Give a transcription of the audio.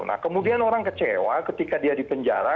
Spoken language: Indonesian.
nah kemudian orang kecewa ketika dia di penjara